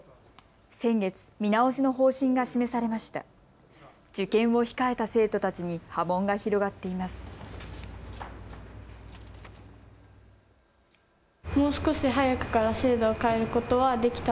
先月、見直しの方針が示されました。